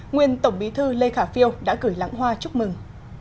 nguyên tổng bí thư lê khả phiêu đã gửi lãng hoa chúc mừng